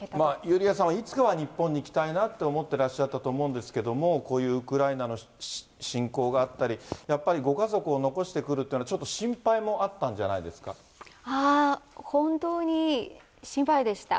ユリアさんはいつかは日本に行きたいなと思ってらっしゃたと思うんですけれども、こういうウクライナの侵攻があったり、やっぱりご家族を残してくるっていうのは、心配もあったんじゃないで本当に心配でした。